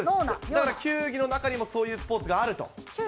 だから、球技の中にも、そういうスポーツがあると。